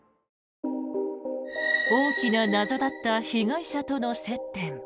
大きな謎だった被害者との接点。